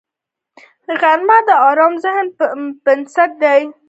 غرمه د ارام ذهن بنسټ دی